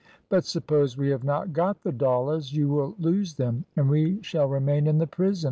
"But suppose we have not got the dollars, you will lose them, and we shall remain in the prison?"